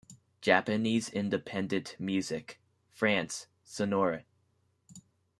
"Japanese Independent Music", France: Sonore.